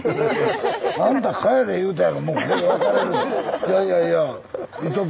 いやいやいや。